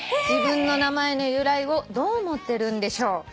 「自分の名前の由来をどう思ってるんでしょう？」